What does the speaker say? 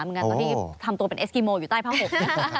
เหมือนกันตอนที่ทำตัวเป็นเอสกิโมอยู่ใต้เพราะหก